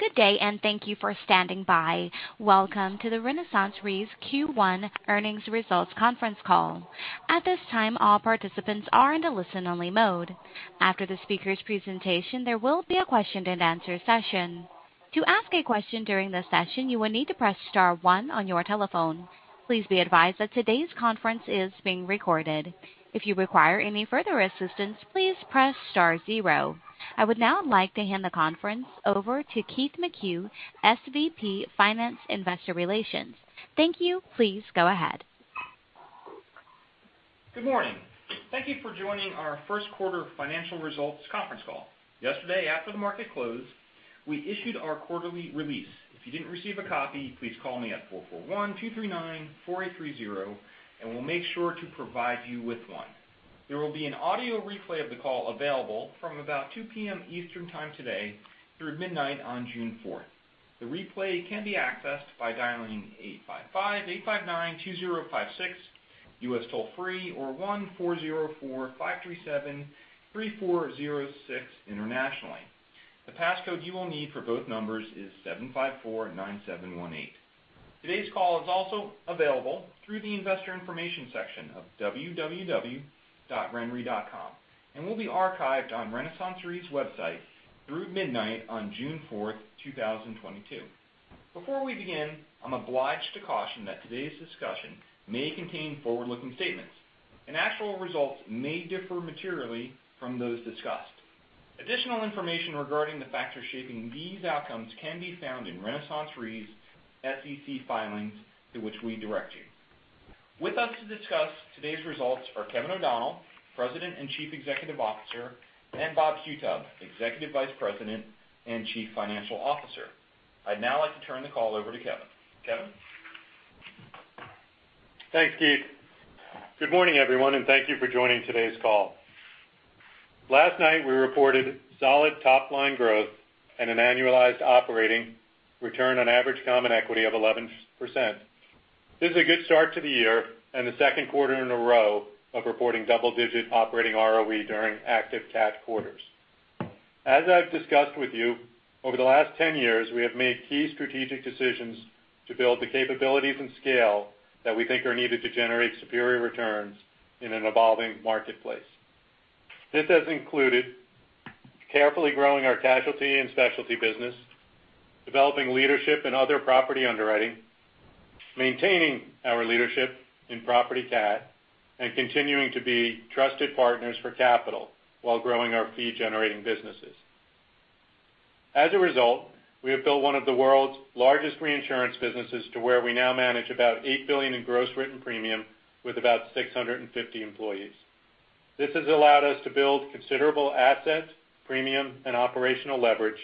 Good day, and thank you for standing by. Welcome to the RenaissanceRe's Q1 Earnings Results Conference Call. At this time, all participants are in a listen-only mode. After the speaker's presentation, there will be a question-and-answer session. To ask a question during the session, you will need to press star one on your telephone. Please be advised that today's conference is being recorded. If you require any further assistance, please press star zero. I would now like to hand the conference over to Keith McCue, SVP Finance Investor Relations. Thank you. Please go ahead. Good morning. Thank you for joining our first quarter financial results conference call. Yesterday, after the market closed, we issued our quarterly release. If you didn't receive a copy, please call me at 441-239-4830, and we'll make sure to provide you with one. There will be an audio replay of the call available from about 2 P.M. Eastern time today through midnight on June 4. The replay can be accessed by dialing 855-859-2056, US toll-free, or 1-404-537-3406 internationally. The passcode you will need for both numbers is 754-9718. Today's call is also available through the investor information section of www.renre.com and will be archived on RenaissanceRe's website through midnight on June 4, 2022. Before we begin, I'm obliged to caution that today's discussion may contain forward-looking statements, and actual results may differ materially from those discussed. Additional information regarding the factors shaping these outcomes can be found in RenaissanceRe's SEC filings to which we direct you. With us to discuss today's results are Kevin O'Donnell, President and Chief Executive Officer, and Bob Qutub, Executive Vice President and Chief Financial Officer. I'd now like to turn the call over to Kevin. Kevin? Thanks, Keith. Good morning, everyone, and thank you for joining today's call. Last night, we reported solid top-line growth and an annualized operating return on average common equity of 11%. This is a good start to the year and the second quarter in a row of reporting double-digit operating ROE during active CAT quarters. As I've discussed with you, over the last 10 years, we have made key strategic decisions to build the capabilities and scale that we think are needed to generate superior returns in an evolving marketplace. This has included carefully growing our casualty and specialty business, developing leadership in other property underwriting, maintaining our leadership in property CAT, and continuing to be trusted partners for capital while growing our fee-generating businesses. As a result, we have built one of the world's largest reinsurance businesses to where we now manage about $8 billion in gross written premium with about 650 employees. This has allowed us to build considerable assets, premium, and operational leverage,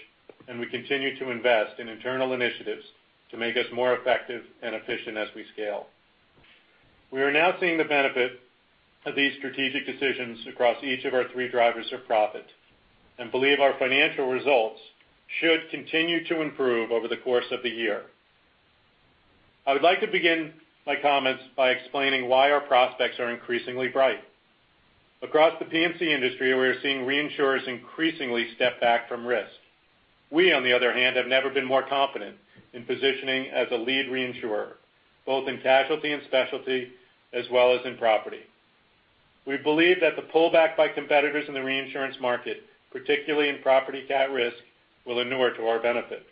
and we continue to invest in internal initiatives to make us more effective and efficient as we scale. We are now seeing the benefit of these strategic decisions across each of our three drivers of profit and believe our financial results should continue to improve over the course of the year. I would like to begin my comments by explaining why our prospects are increasingly bright. Across the P&C industry, we are seeing reinsurers increasingly step back from risk. We, on the other hand, have never been more confident in positioning as a lead reinsurer, both in casualty and specialty as well as in property. We believe that the pullback by competitors in the reinsurance market, particularly in property CAT risk, will inure to our benefit.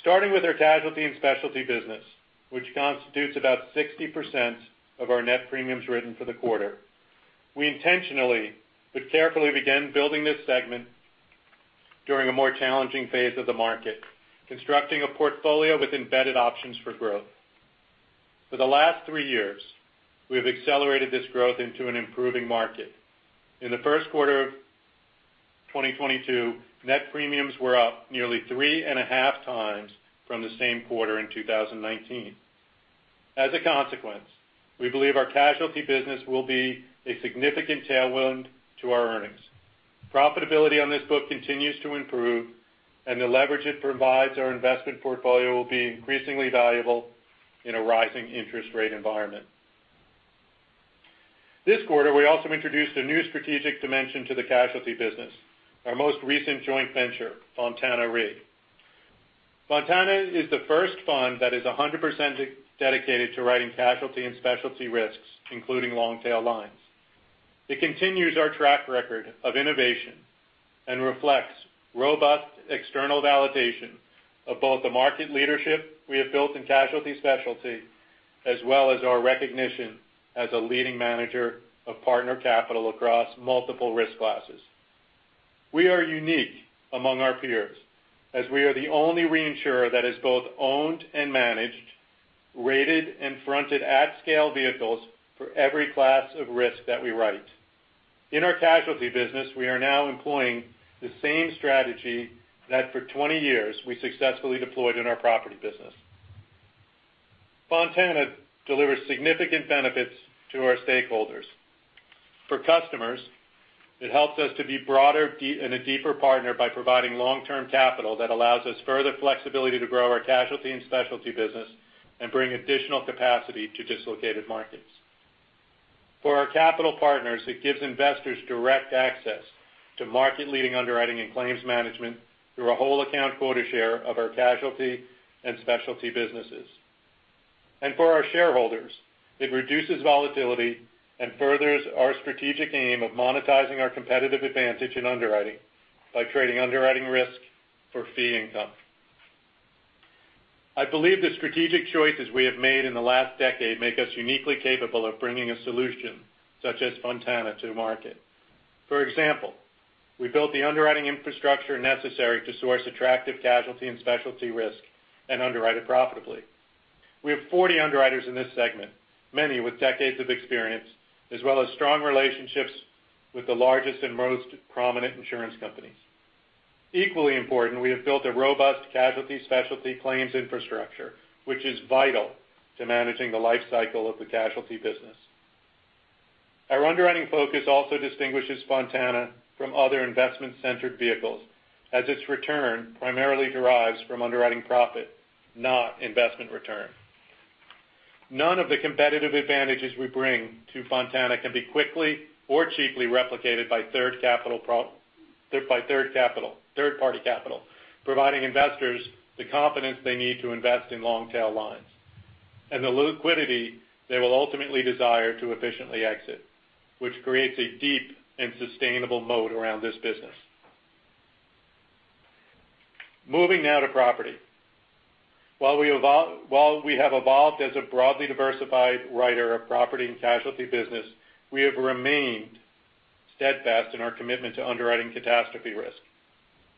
Starting with our casualty and specialty business, which constitutes about 60% of our net premiums written for the quarter, we intentionally but carefully began building this segment during a more challenging phase of the market, constructing a portfolio with embedded options for growth. For the last three years, we have accelerated this growth into an improving market. In the first quarter of 2022, net premiums were up nearly 3.5 times from the same quarter in 2019. As a consequence, we believe our casualty business will be a significant tailwind to our earnings. Profitability on this book continues to improve, and the leverage it provides our investment portfolio will be increasingly valuable in a rising interest rate environment. This quarter, we also introduced a new strategic dimension to the casualty business, our most recent joint venture, Fontana Re. Fontana is the first fund that is 100% dedicated to writing casualty and specialty risks, including long-tail lines. It continues our track record of innovation and reflects robust external validation of both the market leadership we have built in casualty specialty as well as our recognition as a leading manager of partner capital across multiple risk classes. We are unique among our peers as we are the only reinsurer that has both owned and managed, rated, and fronted at-scale vehicles for every class of risk that we write. In our casualty business, we are now employing the same strategy that for 20 years we successfully deployed in our property business. Fontana delivers significant benefits to our stakeholders. For customers, it helps us to be broader and a deeper partner by providing long-term capital that allows us further flexibility to grow our casualty and specialty business and bring additional capacity to dislocated markets. For our capital partners, it gives investors direct access to market leading underwriting and claims management through a whole account quota share of our casualty and specialty businesses. For our shareholders, it reduces volatility and furthers our strategic aim of monetizing our competitive advantage in underwriting by trading underwriting risk for fee income. I believe the strategic choices we have made in the last decade make us uniquely capable of bringing a solution such as Fontana to market. For example, we built the underwriting infrastructure necessary to source attractive casualty and specialty risk and underwrite it profitably. We have 40 underwriters in this segment, many with decades of experience, as well as strong relationships with the largest and most prominent insurance companies. Equally important, we have built a robust casualty specialty claims infrastructure, which is vital to managing the life cycle of the casualty business. Our underwriting focus also distinguishes Fontana from other investment-centered vehicles as its return primarily derives from underwriting profit, not investment return. None of the competitive advantages we bring to Fontana can be quickly or cheaply replicated by third capital, third-party capital, providing investors the confidence they need to invest in long tail lines and the liquidity they will ultimately desire to efficiently exit, which creates a deep and sustainable moat around this business. Moving now to property. While we have evolved as a broadly diversified writer of property and casualty business, we have remained steadfast in our commitment to underwriting catastrophe risk.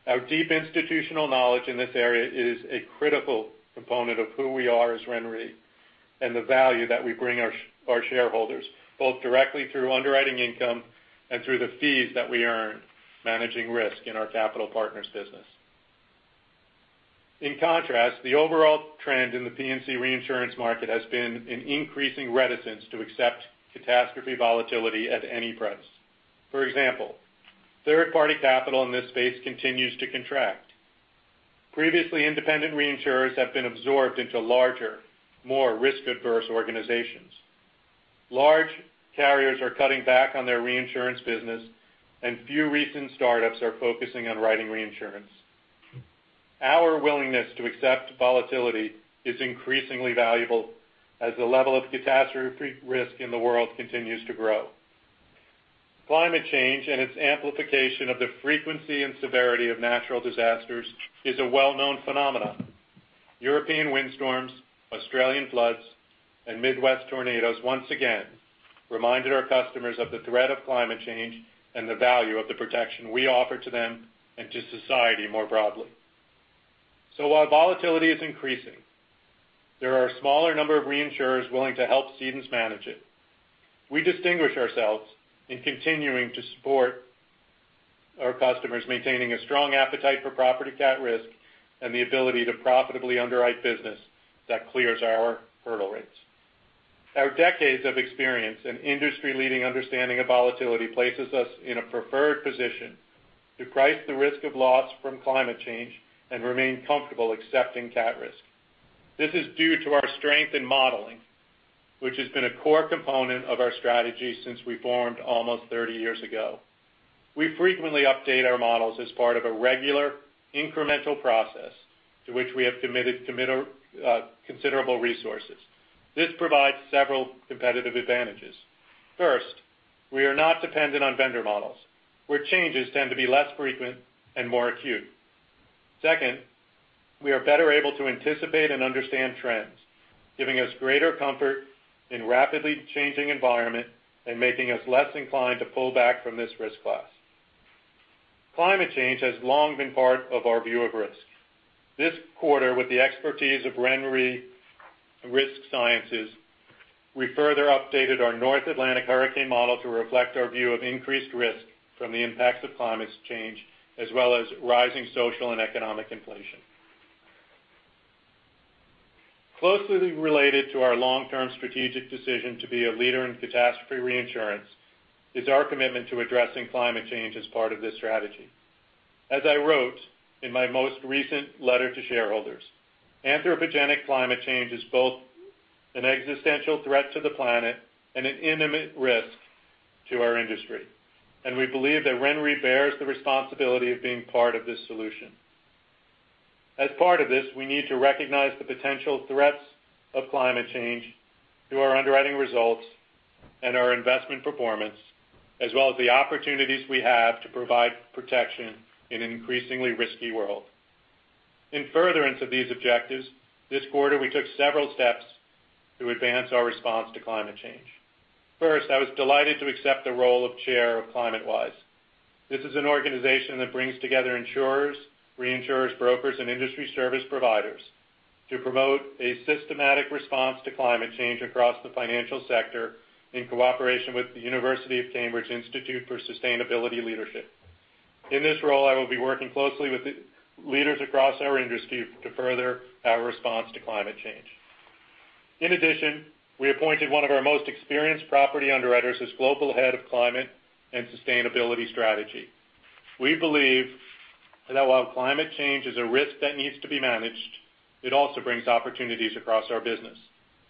Our deep institutional knowledge in this area is a critical component of who we are as RenRe and the value that we bring our shareholders, both directly through underwriting income and through the fees that we earn managing risk in our capital partners business. In contrast, the overall trend in the P&C reinsurance market has been an increasing reticence to accept catastrophe volatility at any price. For example, third-party capital in this space continues to contract. Previously, independent reinsurers have been absorbed into larger, more risk-averse organizations. Large carriers are cutting back on their reinsurance business, and few recent startups are focusing on writing reinsurance. Our willingness to accept volatility is increasingly valuable as the level of catastrophe risk in the world continues to grow. Climate change and its amplification of the frequency and severity of natural disasters is a well-known phenomenon. European windstorms, Australian floods, and Midwest tornadoes once again reminded our customers of the threat of climate change and the value of the protection we offer to them and to society more broadly. While volatility is increasing, there are a smaller number of reinsurers willing to help cedents manage it. We distinguish ourselves in continuing to support our customers maintaining a strong appetite for property CAT risk and the ability to profitably underwrite business that clears our hurdle rates. Our decades of experience and industry-leading understanding of volatility places us in a preferred position to price the risk of loss from climate change and remain comfortable accepting cat risk. This is due to our strength in modeling, which has been a core component of our strategy since we formed almost 30 years ago. We frequently update our models as part of a regular incremental process to which we have committed considerable resources. This provides several competitive advantages. First, we are not dependent on vendor models, where changes tend to be less frequent and more acute. Second, we are better able to anticipate and understand trends, giving us greater comfort in rapidly changing environment and making us less inclined to pull back from this risk class. Climate change has long been part of our view of risk. This quarter, with the expertise of RenRe Risk Sciences, we further updated our North Atlantic hurricane model to reflect our view of increased risk from the impacts of climate change, as well as rising social and economic inflation. Closely related to our long-term strategic decision to be a leader in catastrophe reinsurance is our commitment to addressing climate change as part of this strategy. As I wrote in my most recent letter to shareholders, anthropogenic climate change is both an existential threat to the planet and an intimate risk to our industry, and we believe that RenRe bears the responsibility of being part of this solution. As part of this, we need to recognize the potential threats of climate change to our underwriting results and our investment performance, as well as the opportunities we have to provide protection in an increasingly risky world. In furtherance of these objectives, this quarter we took several steps to advance our response to climate change. First, I was delighted to accept the role of Chair of Climate Wise. This is an organization that brings together insurers, reinsurers, brokers, and industry service providers to promote a systematic response to climate change across the financial sector in cooperation with the University of Cambridge Institute for Sustainability Leadership. In this role, I will be working closely with the leaders across our industry to further our response to climate change. In addition, we appointed one of our most experienced property underwriters as Global Head of Climate and Sustainability Strategy. We believe and that while climate change is a risk that needs to be managed, it also brings opportunities across our business.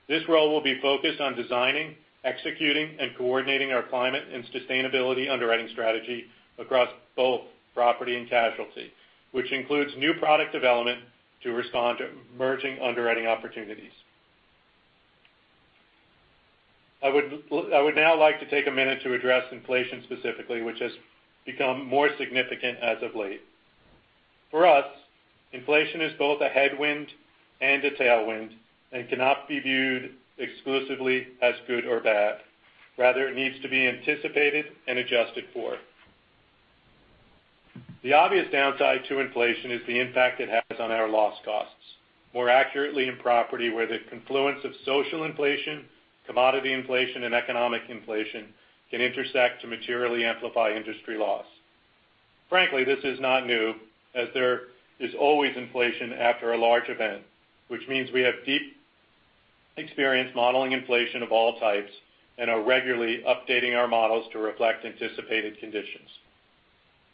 This role will be focused on designing, executing, and coordinating our climate and sustainability underwriting strategy across both property and casualty, which includes new product development to respond to emerging underwriting opportunities. I would now like to take a minute to address inflation specifically, which has become more significant as of late. For us, inflation is both a headwind and a tailwind, and cannot be viewed exclusively as good or bad. Rather, it needs to be anticipated and adjusted for. The obvious downside to inflation is the impact it has on our loss costs. More accurately in property, where the confluence of social inflation, commodity inflation, and economic inflation can intersect to materially amplify industry loss. Frankly, this is not new, as there is always inflation after a large event, which means we have deep experience modeling inflation of all types and are regularly updating our models to reflect anticipated conditions.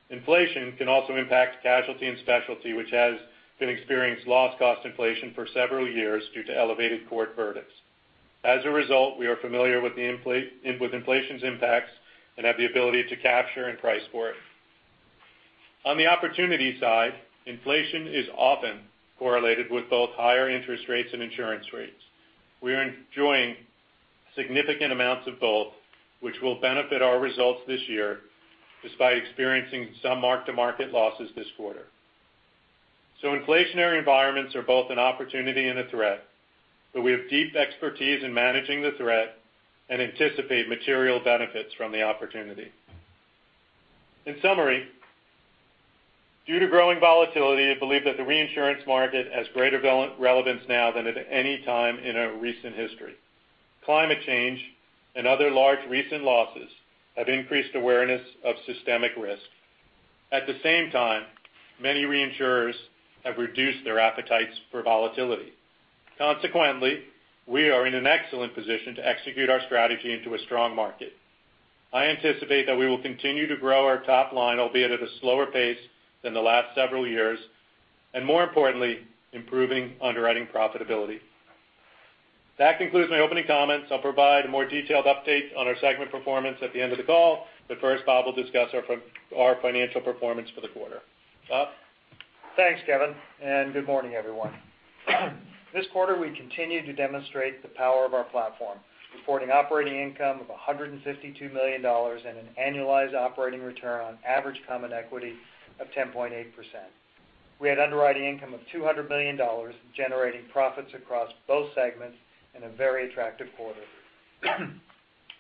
Inflation can also impact casualty and specialty, which has been experienced loss cost inflation for several years due to elevated court verdicts. As a result, we are familiar with inflation's impacts and have the ability to capture and price for it. On the opportunity side, inflation is often correlated with both higher interest rates and insurance rates. We are enjoying significant amounts of both, which will benefit our results this year, despite experiencing some mark-to-market losses this quarter. Inflationary environments are both an opportunity and a threat, but we have deep expertise in managing the threat and anticipate material benefits from the opportunity. In summary, due to growing volatility, I believe that the reinsurance market has greater relevance now than at any time in our recent history. Climate change and other large recent losses have increased awareness of systemic risk. At the same time, many reinsurers have reduced their appetites for volatility. Consequently, we are in an excellent position to execute our strategy into a strong market. I anticipate that we will continue to grow our top line, albeit at a slower pace than the last several years, and more importantly, improving underwriting profitability. That concludes my opening comments. I'll provide a more detailed update on our segment performance at the end of the call. First, Bob will discuss our financial performance for the quarter. Bob? Thanks, Kevin, and good morning, everyone. This quarter, we continued to demonstrate the power of our platform, reporting operating income of $152 million and an annualized operating return on average common equity of 10.8%. We had underwriting income of $200 million, generating profits across both segments in a very attractive quarter.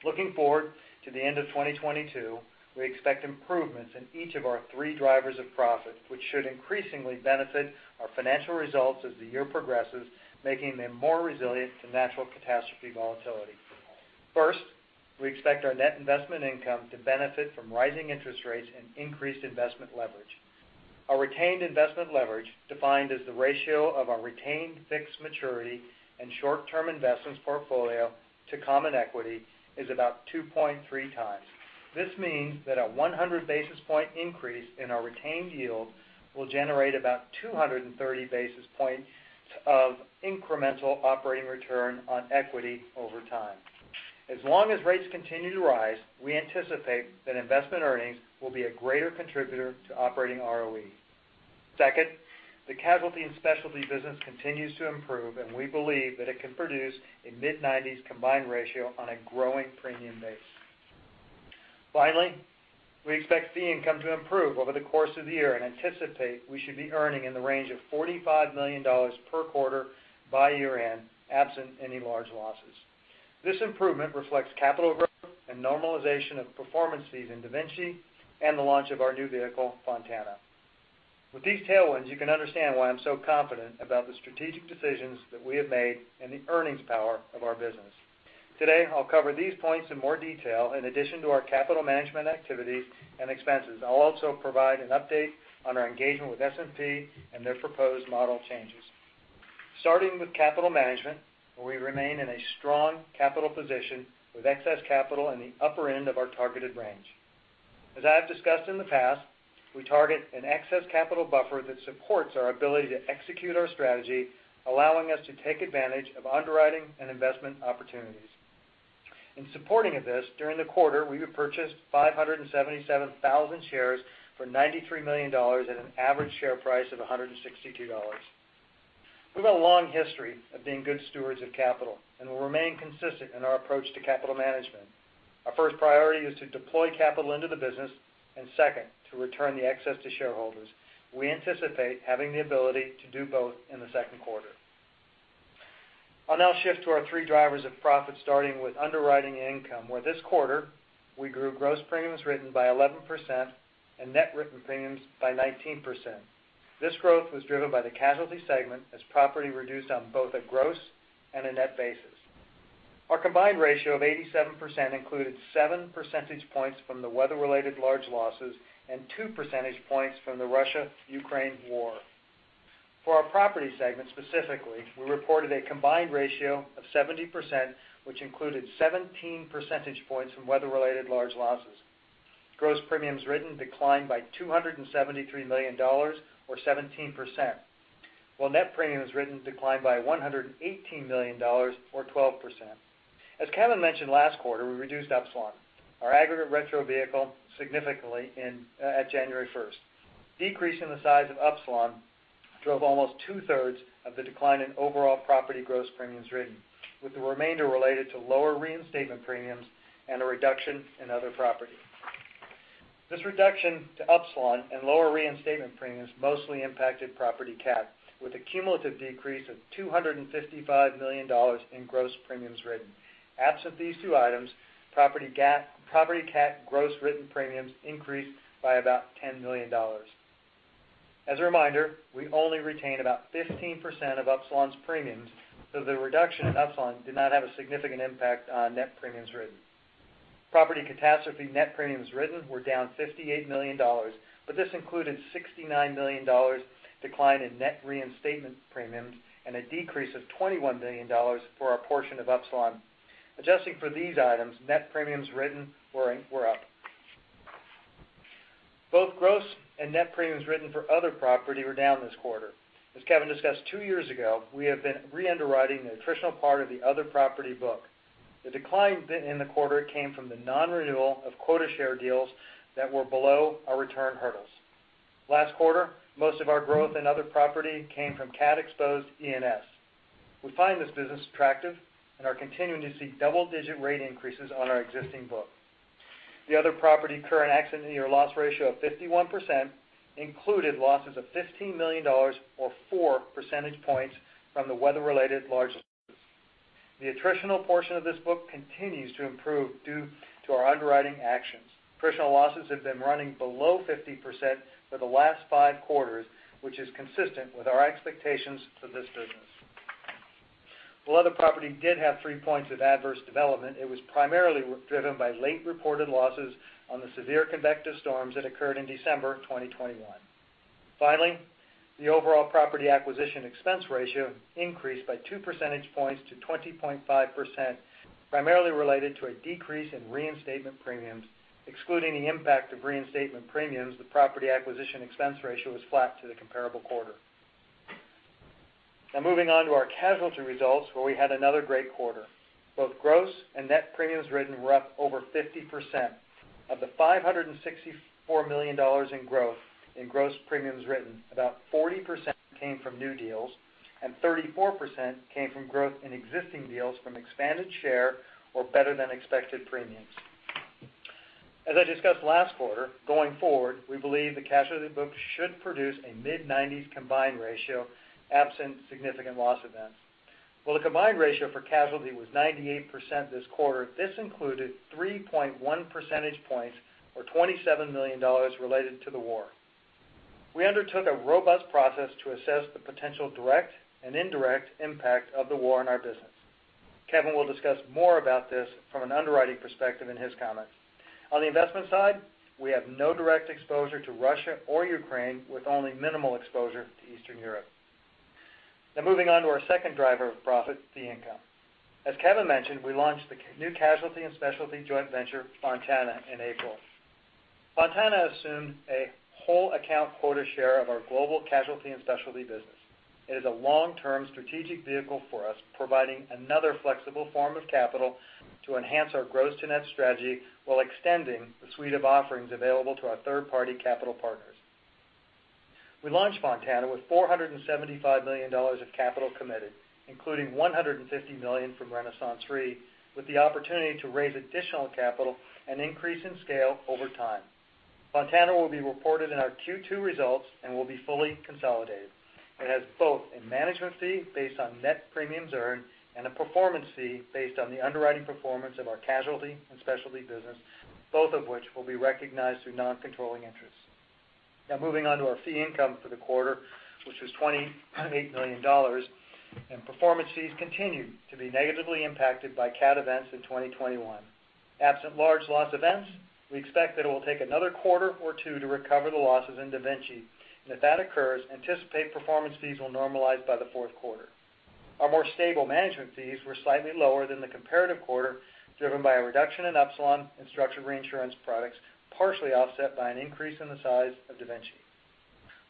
Looking forward to the end of 2022, we expect improvements in each of our three drivers of profit, which should increasingly benefit our financial results as the year progresses, making them more resilient to natural catastrophe volatility. First, we expect our net investment income to benefit from rising interest rates and increased investment leverage. Our retained investment leverage, defined as the ratio of our retained fixed maturity and short-term investments portfolio to common equity, is about 2.3 times. This means that a 100 basis point increase in our retained yield will generate about 230 basis points of incremental operating return on equity over time. As long as rates continue to rise, we anticipate that investment earnings will be a greater contributor to operating ROE. Second, the casualty and specialty business continues to improve, and we believe that it can produce a mid-90s combined ratio on a growing premium base. Finally, we expect fee income to improve over the course of the year and anticipate we should be earning in the range of $45 million per quarter by year-end, absent any large losses. This improvement reflects capital growth and normalization of performance fees in DaVinci and the launch of our new vehicle, Fontana. With these tailwinds, you can understand why I'm so confident about the strategic decisions that we have made and the earnings power of our business. Today, I'll cover these points in more detail, in addition to our capital management activities and expenses. I'll also provide an update on our engagement with S&P and their proposed model changes. Starting with capital management, we remain in a strong capital position with excess capital in the upper end of our targeted range. As I have discussed in the past, we target an excess capital buffer that supports our ability to execute our strategy, allowing us to take advantage of underwriting and investment opportunities. In support of this, during the quarter, we repurchased 577,000 shares for $93 million at an average share price of $162. We have a long history of being good stewards of capital and will remain consistent in our approach to capital management. Our first priority is to deploy capital into the business, and second, to return the excess to shareholders. We anticipate having the ability to do both in the second quarter. I'll now shift to our three drivers of profit, starting with underwriting income, where this quarter we grew gross premiums written by 11% and net written premiums by 19%. This growth was driven by the casualty segment as property reduced on both a gross and a net basis. Our combined ratio of 87% included 7 percentage points from the weather-related large losses and 2 percentage points from the Russia-Ukraine war. For our property segment specifically, we reported a combined ratio of 70%, which included 17 percentage points from weather-related large losses. Gross premiums written declined by $273 million, or 17%, while net premiums written declined by $118 million, or 12%. As Kevin mentioned last quarter, we reduced Upsilon, our aggregate retro vehicle, significantly in at January first. Decrease in the size of Upsilon drove almost two-thirds of the decline in overall property gross premiums written, with the remainder related to lower reinstatement premiums and a reduction in other property. This reduction to Upsilon and lower reinstatement premiums mostly impacted property CAT, with a cumulative decrease of $255 million in gross premiums written. Absent these two items, property CAT gross written premiums increased by about $10 million. As a reminder, we only retain about 15% of Upsilon's premiums, so the reduction in Upsilon did not have a significant impact on net premiums written. Property catastrophe net premiums written were down $58 million, but this included $69 million decline in net reinstatement premiums and a decrease of $21 million for our portion of Upsilon. Adjusting for these items, net premiums written were up. Both gross and net premiums written for other property were down this quarter. As Kevin discussed two years ago, we have been re-underwriting the attritional part of the other property book. The decline hit in the quarter came from the non-renewal of quota share deals that were below our return hurdles. Last quarter, most of our growth in other property came from CAT-exposed E&S. We find this business attractive and are continuing to see double-digit rate increases on our existing book. The other property current accident year loss ratio of 51% included losses of $15 million or 4 percentage points from the weather-related large. The attritional portion of this book continues to improve due to our underwriting actions. Attritional losses have been running below 50% for the last 5 quarters, which is consistent with our expectations for this business. While other property did have 3 points of adverse development, it was primarily driven by late reported losses on the severe convective storms that occurred in December 2021. Finally, the overall property acquisition expense ratio increased by 2 percentage points to 20.5%, primarily related to a decrease in reinstatement premiums. Excluding the impact of reinstatement premiums, the property acquisition expense ratio was flat to the comparable quarter. Now moving on to our casualty results, where we had another great quarter. Both gross and net premiums written were up over 50%. Of the $564 million in growth in gross premiums written, about 40% came from new deals and 34% came from growth in existing deals from expanded share or better than expected premiums. As I discussed last quarter, going forward, we believe the casualty books should produce a mid-90s combined ratio absent significant loss events. While the combined ratio for casualty was 98% this quarter, this included 3.1 percentage points or $27 million related to the war. We undertook a robust process to assess the potential direct and indirect impact of the war on our business. Kevin will discuss more about this from an underwriting perspective in his comments. On the investment side, we have no direct exposure to Russia or Ukraine, with only minimal exposure to Eastern Europe. Now moving on to our second driver of profit, fee income. As Kevin mentioned, we launched the new casualty and specialty joint venture, Fontana, in April. Fontana assumed a whole account quota share of our global casualty and specialty business. It is a long-term strategic vehicle for us, providing another flexible form of capital to enhance our gross to net strategy while extending the suite of offerings available to our third-party capital partners. We launched Fontana with $475 million of capital committed, including $150 million from RenaissanceRe, with the opportunity to raise additional capital and increase in scale over time. Fontana will be reported in our Q2 results and will be fully consolidated. It has both a management fee based on net premiums earned and a performance fee based on the underwriting performance of our casualty and specialty business, both of which will be recognized through non-controlling interests. Now moving on to our fee income for the quarter, which was $28 million, and performance fees continued to be negatively impacted by CAT events in 2021. Absent large loss events, we expect that it will take another quarter or two to recover the losses in DaVinci. If that occurs, anticipate performance fees will normalize by the fourth quarter. Our more stable management fees were slightly lower than the comparative quarter, driven by a reduction in Upsilon and structured reinsurance products, partially offset by an increase in the size of DaVinci.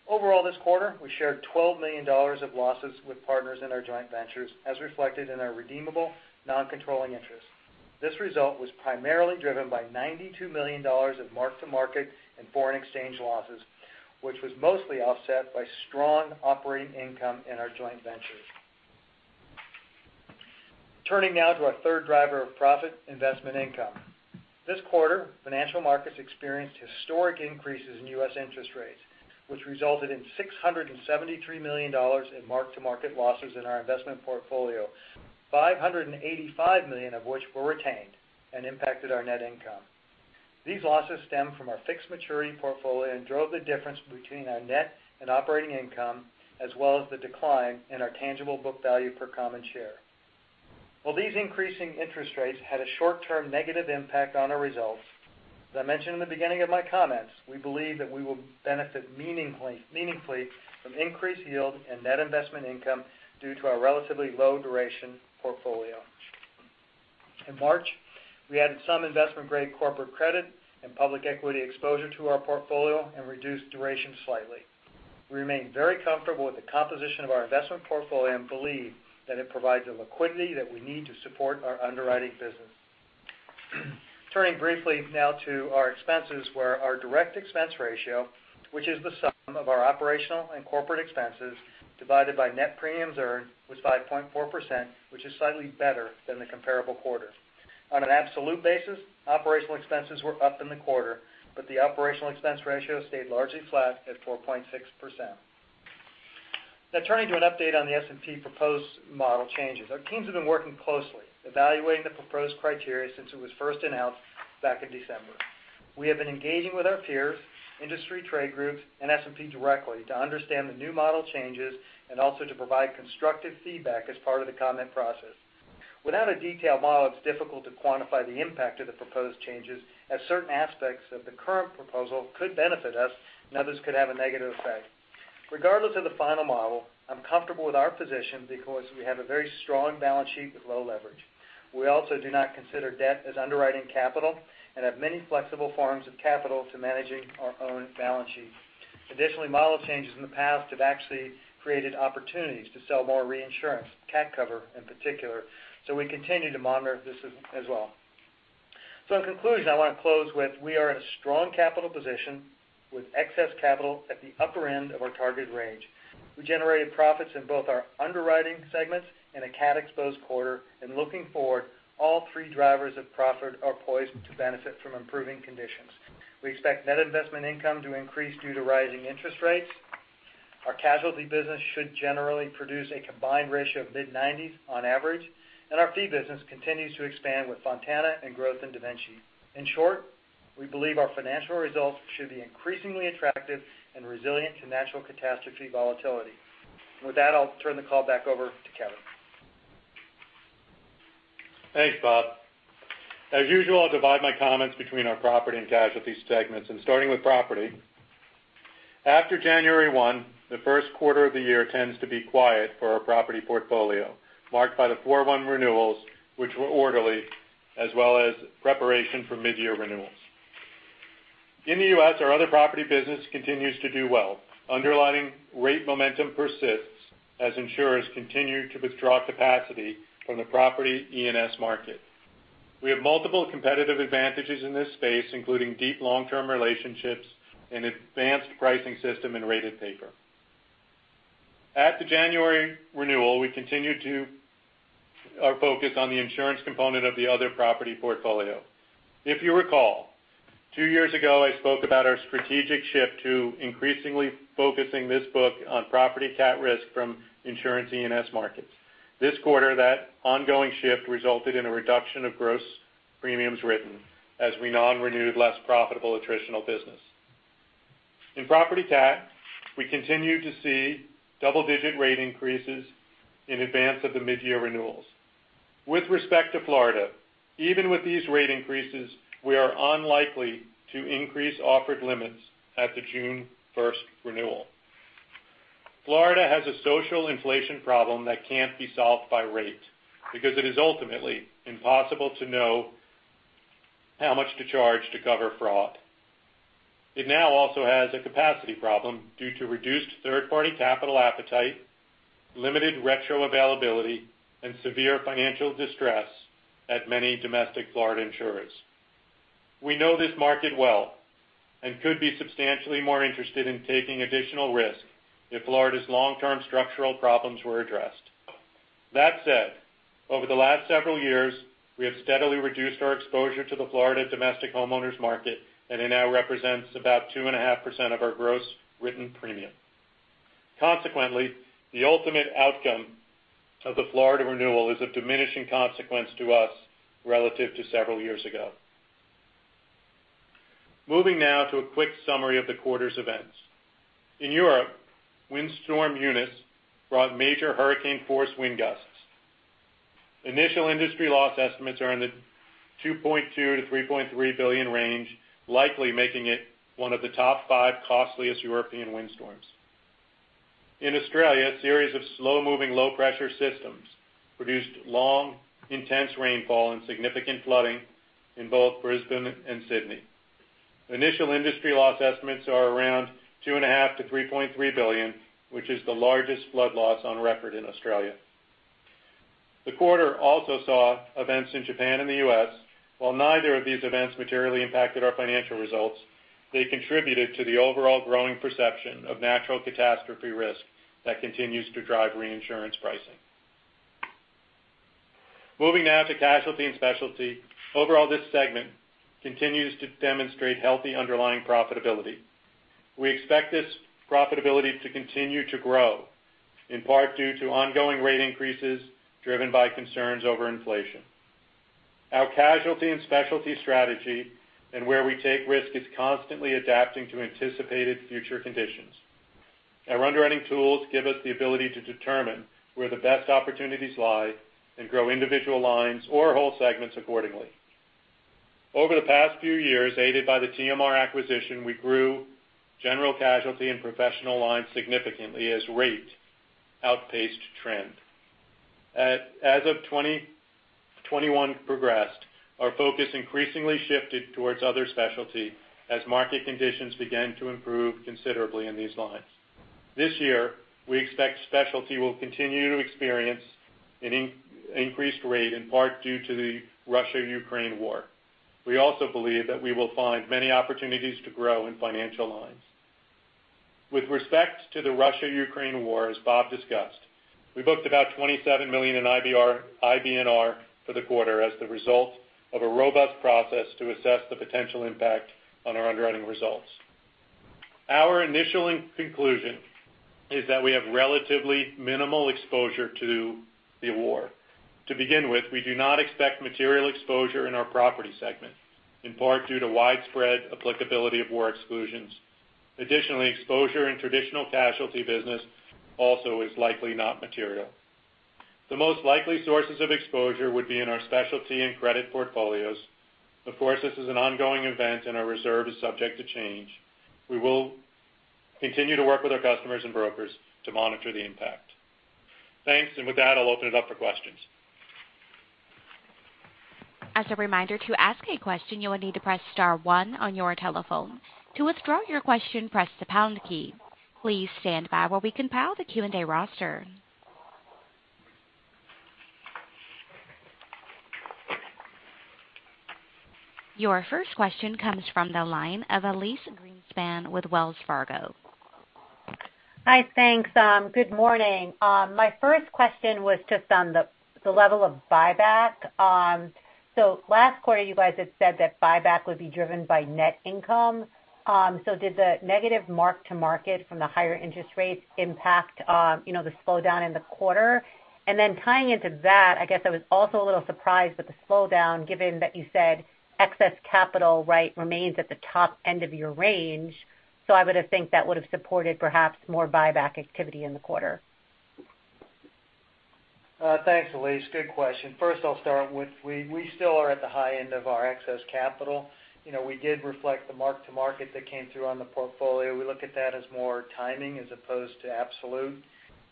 Overall, this quarter, we shared $12 million of losses with partners in our joint ventures, as reflected in our redeemable non-controlling interests. This result was primarily driven by $92 million of mark-to-market and foreign exchange losses, which was mostly offset by strong operating income in our joint ventures. Turning now to our third driver of profit, investment income. This quarter, financial markets experienced historic increases in U.S. interest rates, which resulted in $673 million in mark-to-market losses in our investment portfolio, $585 million of which were retained and impacted our net income. These losses stemmed from our fixed maturity portfolio and drove the difference between our net and operating income, as well as the decline in our tangible book value per common share. Well, these increasing interest rates had a short-term negative impact on our results. As I mentioned in the beginning of my comments, we believe that we will benefit meaningfully from increased yield and net investment income due to our relatively low duration portfolio. In March, we added some investment grade corporate credit and public equity exposure to our portfolio and reduced duration slightly. We remain very comfortable with the composition of our investment portfolio and believe that it provides the liquidity that we need to support our underwriting business. Turning briefly now to our expenses, where our direct expense ratio, which is the sum of our operational and corporate expenses divided by net premiums earned, was 5.4%, which is slightly better than the comparable quarter. On an absolute basis, operational expenses were up in the quarter, but the operational expense ratio stayed largely flat at 4.6%. Now turning to an update on the S&P proposed model changes. Our teams have been working closely, evaluating the proposed criteria since it was first announced back in December. We have been engaging with our peers, industry trade groups, and S&P directly to understand the new model changes and also to provide constructive feedback as part of the comment process. Without a detailed model, it's difficult to quantify the impact of the proposed changes, as certain aspects of the current proposal could benefit us and others could have a negative effect. Regardless of the final model, I'm comfortable with our position because we have a very strong balance sheet with low leverage. We also do not consider debt as underwriting capital and have many flexible forms of capital to manage our own balance sheet. Additionally, model changes in the past have actually created opportunities to sell more reinsurance, CAT cover in particular, so we continue to monitor this as well. In conclusion, I want to close with, we are in a strong capital position with excess capital at the upper end of our targeted range. We generated profits in both our underwriting segments in a CAT-exposed quarter. Looking forward, all three drivers of profit are poised to benefit from improving conditions. We expect net investment income to increase due to rising interest rates. Our casualty business should generally produce a combined ratio of mid-90s on average, and our fee business continues to expand with Fontana and growth in DaVinci. In short, we believe our financial results should be increasingly attractive and resilient to natural catastrophe volatility. With that, I'll turn the call back over to Kevin. Thanks, Bob. As usual, I'll divide my comments between our property and casualty segments, and starting with property. After January 1, the first quarter of the year tends to be quiet for our property portfolio, marked by the 4/1 renewals, which were orderly, as well as preparation for mid-year renewals. In the U.S., our other property business continues to do well. Underlying rate momentum persists as insurers continue to withdraw capacity from the property E&S market. We have multiple competitive advantages in this space, including deep long-term relationships and advanced pricing system and rated paper. At the January renewal, we continued to our focus on the insurance component of the other property portfolio. If you recall, two years ago, I spoke about our strategic shift to increasingly focusing this book on property cat risk from insurance E&S markets. This quarter, that ongoing shift resulted in a reduction of gross premiums written as we non-renewed less profitable attritional business. In property cat, we continue to see double-digit rate increases in advance of the mid-year renewals. With respect to Florida, even with these rate increases, we are unlikely to increase offered limits at the June first renewal. Florida has a social inflation problem that can't be solved by rate, because it is ultimately impossible to know how much to charge to cover fraud. It now also has a capacity problem due to reduced third-party capital appetite, limited retro availability, and severe financial distress at many domestic Florida insurers. We know this market well and could be substantially more interested in taking additional risk if Florida's long-term structural problems were addressed. That said, over the last several years, we have steadily reduced our exposure to the Florida domestic homeowners market, and it now represents about 2.5% of our gross written premium. Consequently, the ultimate outcome of the Florida renewal is of diminishing consequence to us relative to several years ago. Moving now to a quick summary of the quarter's events. In Europe, Eunice brought major hurricane force wind gusts. Initial industry loss estimates are in the $2.2-$3.3 billion range, likely making it one of the top five costliest European windstorms. In Australia, a series of slow-moving low pressure systems produced long, intense rainfall and significant flooding in both Brisbane and Sydney. Initial industry loss estimates are around $2.5-$3.3 billion, which is the largest flood loss on record in Australia. The quarter also saw events in Japan and the U.S. While neither of these events materially impacted our financial results, they contributed to the overall growing perception of natural catastrophe risk that continues to drive reinsurance pricing. Moving now to casualty and specialty. Overall, this segment continues to demonstrate healthy underlying profitability. We expect this profitability to continue to grow, in part due to ongoing rate increases driven by concerns over inflation. Our casualty and specialty strategy and where we take risk is constantly adapting to anticipated future conditions. Our underwriting tools give us the ability to determine where the best opportunities lie and grow individual lines or whole segments accordingly. Over the past few years, aided by the TMR acquisition, we grew general casualty and professional lines significantly as rate outpaced trend. As of 2021 progressed, our focus increasingly shifted towards other specialty as market conditions began to improve considerably in these lines. This year, we expect specialty will continue to experience an increased rate, in part due to the Russia-Ukraine war. We also believe that we will find many opportunities to grow in financial lines. With respect to the Russia-Ukraine war, as Bob discussed, we booked about $27 million in IBNR for the quarter as the result of a robust process to assess the potential impact on our underwriting results. Our initial conclusion is that we have relatively minimal exposure to the war. To begin with, we do not expect material exposure in our property segment, in part due to widespread applicability of war exclusions. Additionally, exposure in traditional casualty business also is likely not material. The most likely sources of exposure would be in our specialty and credit portfolios. Of course, this is an ongoing event, and our reserve is subject to change. We will continue to work with our customers and brokers to monitor the impact. Thanks. With that, I'll open it up for questions. As a reminder, to ask a question, you will need to press star one on your telephone. To withdraw your question, press the pound key. Please stand by while we compile the Q&A roster. Your first question comes from the line of Elyse Greenspan with Wells Fargo. Hi. Thanks. Good morning. My first question was just on the level of buyback. Last quarter, you guys had said that buyback would be driven by net income. Did the negative mark to market from the higher interest rates impact, you know, the slowdown in the quarter? Then tying into that, I guess I was also a little surprised with the slowdown given that you said excess capital, right, remains at the top end of your range. I would have think that would have supported perhaps more buyback activity in the quarter. Thanks, Elyse. Good question. First, I'll start with we still are at the high end of our excess capital. You know, we did reflect the mark to market that came through on the portfolio. We look at that as more timing as opposed to absolute.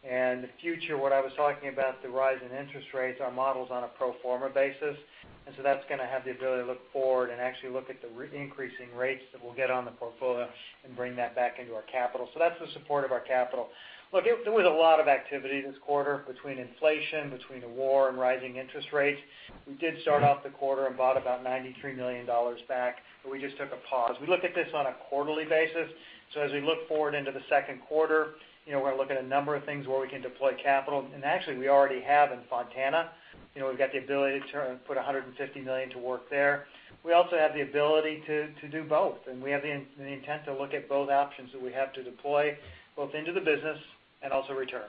The future, what I was talking about, the rise in interest rates, our model's on a pro forma basis. That's gonna have the ability to look forward and actually look at the re-increasing rates that we'll get on the portfolio and bring that back into our capital. That's the support of our capital. Look, there was a lot of activity this quarter between inflation, between the war, and rising interest rates. We did start off the quarter and bought back about $93 million, but we just took a pause. We look at this on a quarterly basis, so as we look forward into the second quarter, you know, we're looking at a number of things where we can deploy capital. Actually, we already have in Fontana. You know, we've got the ability to turn and put $150 million to work there. We also have the ability to do both, and we have the intent to look at both options that we have to deploy both into the business and also return.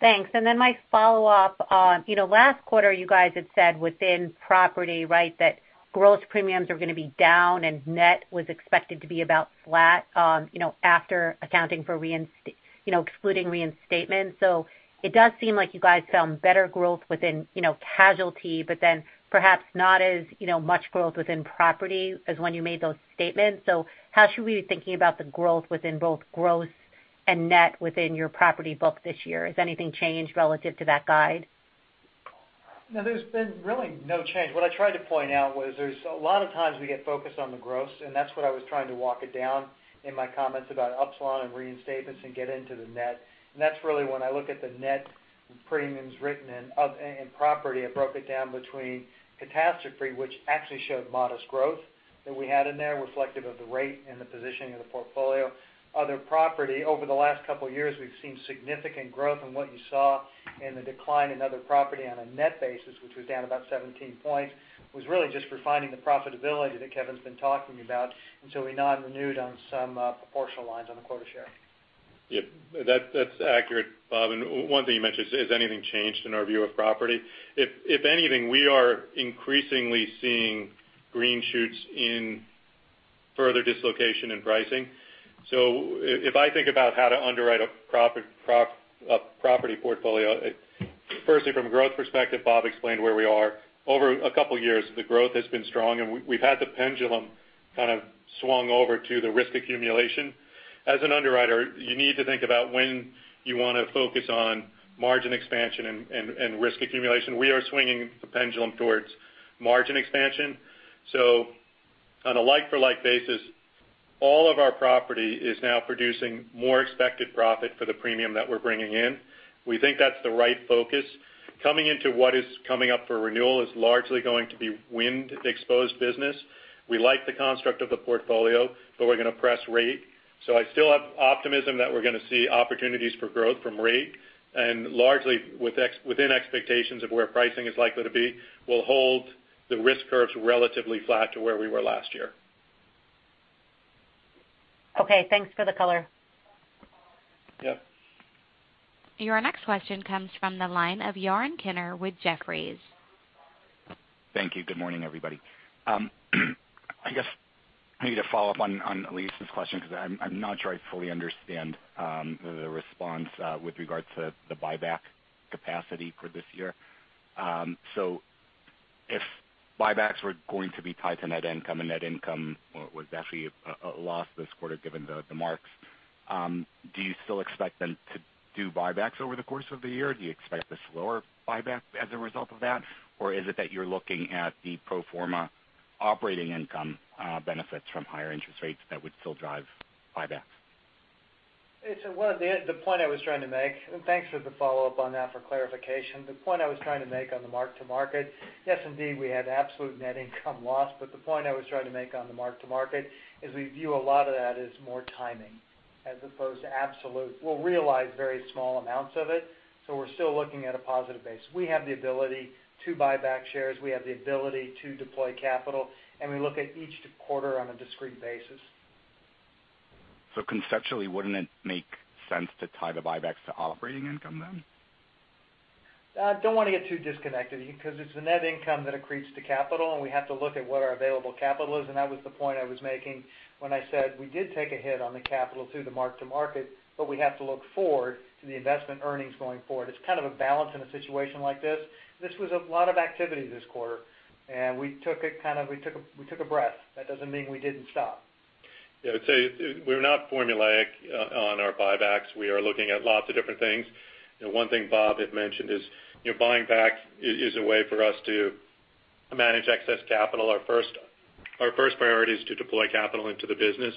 Thanks. My follow-up. You know, last quarter, you guys had said within property, right, that gross premiums are gonna be down and net was expected to be about flat, you know, after accounting for, you know, excluding reinstatement. It does seem like you guys found better growth within, you know, casualty but then perhaps not as, you know, much growth within property as when you made those statements. How should we be thinking about the growth within both gross and net within your property book this year? Has anything changed relative to that guide? No, there's been really no change. What I tried to point out was there's a lot of times we get focused on the gross, and that's what I was trying to walk it down in my comments about Upsilon and reinstatements and get into the net. That's really when I look at the net premiums written in property. I broke it down between catastrophe, which actually showed modest growth that we had in there reflective of the rate and the positioning of the portfolio. Other property, over the last couple years, we've seen significant growth in what you saw in the decline in other property on a net basis, which was down about 17 points, was really just refining the profitability that Kevin's been talking about until we non-renewed on some proportional lines on the quota share. Yep, that's accurate, Bob. One thing you mentioned, has anything changed in our view of property? If anything, we are increasingly seeing green shoots in further dislocation in pricing. If I think about how to underwrite a property portfolio, firstly, from a growth perspective, Bob explained where we are. Over a couple years, the growth has been strong, and we've had the pendulum kind of swung over to the risk accumulation. As an underwriter, you need to think about when you wanna focus on margin expansion and risk accumulation. We are swinging the pendulum towards margin expansion. On a like for like basis, all of our property is now producing more expected profit for the premium that we're bringing in. We think that's the right focus. Coming into what is coming up for renewal is largely going to be wind-exposed business. We like the construct of the portfolio, but we're gonna press rate. I still have optimism that we're gonna see opportunities for growth from rate, and largely within expectations of where pricing is likely to be, we'll hold the risk curves relatively flat to where we were last year. Okay, thanks for the color. Yeah. Your next question comes from the line of Yaron Kinar with Jefferies. Thank you. Good morning, everybody. I guess maybe to follow up on Lisa's question because I'm not sure I fully understand the response with regards to the buyback capacity for this year. If buybacks were going to be tied to net income and net income was actually a loss this quarter given the marks, do you still expect them to do buybacks over the course of the year? Do you expect a slower buyback as a result of that? Is it that you're looking at the pro forma operating income benefits from higher interest rates that would still drive buybacks? The point I was trying to make, and thanks for the follow-up on that for clarification. The point I was trying to make on the mark-to-market, yes, indeed, we had absolute net income loss, but the point I was trying to make on the mark-to-market is we view a lot of that as more timing as opposed to absolute. We'll realize very small amounts of it, so we're still looking at a positive base. We have the ability to buy back shares. We have the ability to deploy capital, and we look at each quarter on a discrete basis. Conceptually, wouldn't it make sense to tie the buybacks to operating income then? Don't wanna get too disconnected because it's the net income that accretes to capital, and we have to look at what our available capital is. That was the point I was making when I said we did take a hit on the capital through the mark-to-market, but we have to look forward to the investment earnings going forward. It's kind of a balance in a situation like this. This was a lot of activity this quarter, and we took a breath. That doesn't mean we didn't stop. Yeah, I'd say we're not formulaic on our buybacks. We are looking at lots of different things. You know, one thing Bob had mentioned is, you know, buying back is a way for us to manage excess capital. Our first priority is to deploy capital into the business.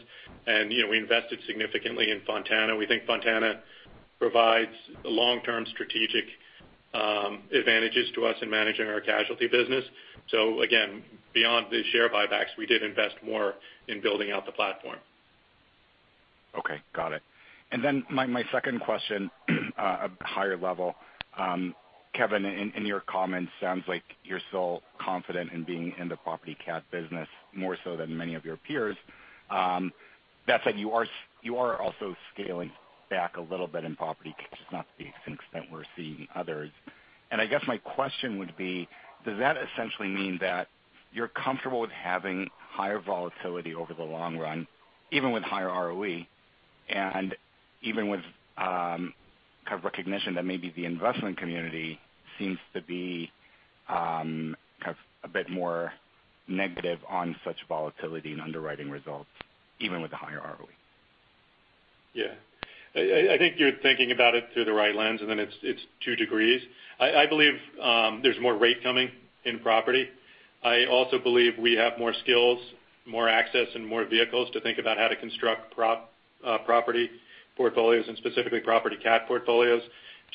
You know, we invested significantly in Fontana. We think Fontana provides long-term strategic advantages to us in managing our casualty business. Again, beyond the share buybacks, we did invest more in building out the platform. Okay, got it. My second question, higher level. Kevin, in your comments, sounds like you're still confident in being in the property CAT business more so than many of your peers. That said, you are also scaling back a little bit in property just not to the same extent we're seeing in others. I guess my question would be, does that essentially mean that you're comfortable with having higher volatility over the long run, even with higher ROE, and even with kind of recognition that maybe the investment community seems to be kind of a bit more negative on such volatility and underwriting results, even with the higher ROE? Yeah. I think you're thinking about it through the right lens, and then it's 2 degrees. I believe there's more rate coming in property. I also believe we have more skills, more access and more vehicles to think about how to construct property portfolios and specifically property portfolios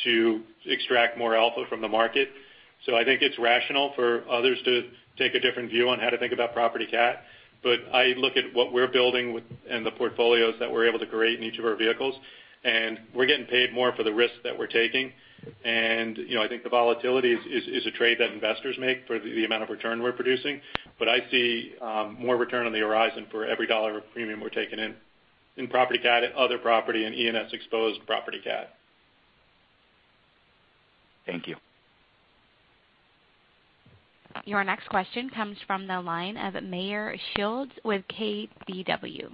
to extract more alpha from the market. I think it's rational for others to take a different view on how to think about property CAT. I look at what we're building with and the portfolios that we're able to create in each of our vehicles, and we're getting paid more for the risk that we're taking. You know, I think the volatility is a trade that investors make for the amount of return we're producing. I see more return on the horizon for every dollar of premium we're taking in property CAT, other property and E&S exposed property CAT. Thank you. Your next question comes from the line of Meyer Shields with KBW.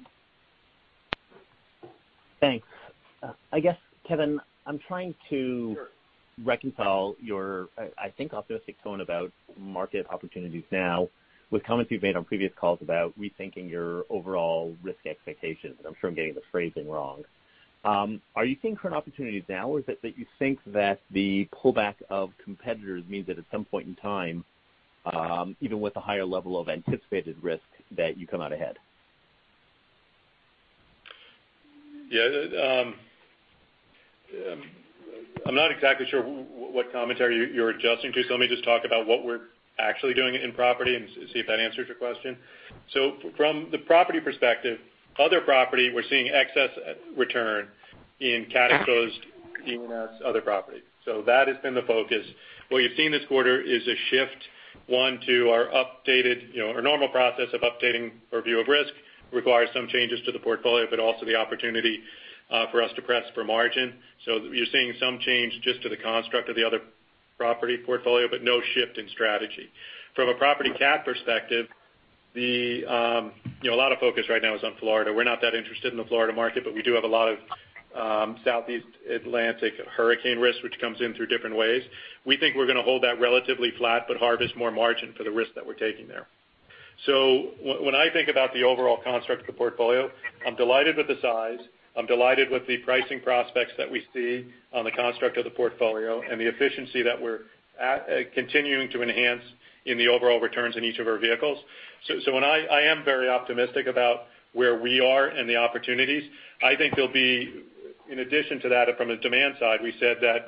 Thanks. I guess, Kevin, I'm trying to. Sure. Reconcile your, I think, optimistic tone about market opportunities now with comments you've made on previous calls about rethinking your overall risk expectations. I'm sure I'm getting the phrasing wrong. Are you seeing current opportunities now, or is it that you think that the pullback of competitors means that at some point in time, even with a higher level of anticipated risk, that you come out ahead? Yeah. I'm not exactly sure what commentary you're adjusting to, so let me just talk about what we're actually doing in property and see if that answers your question. From the property perspective, other property, we're seeing excess return in CAT-exposed E&S other property. That has been the focus. What you've seen this quarter is a shift, one, to our updated, you know, our normal process of updating our view of risk requires some changes to the portfolio, but also the opportunity for us to press for margin. You're seeing some change just to the construct of the other property portfolio, but no shift in strategy. From a property CAT perspective, you know, a lot of focus right now is on Florida. We're not that interested in the Florida market, but we do have a lot of Southeast Atlantic hurricane risk, which comes in through different ways. We think we're gonna hold that relatively flat, but harvest more margin for the risk that we're taking there. When I think about the overall construct of the portfolio, I'm delighted with the size. I'm delighted with the pricing prospects that we see on the construct of the portfolio and the efficiency that we're continuing to enhance in the overall returns in each of our vehicles. When I am very optimistic about where we are and the opportunities. I think there'll be, in addition to that, from a demand side, we said that